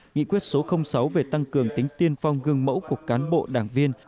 nghị quyết số sáu về tăng cường tính tiên phong gương mẫu của cán bộ đảng viên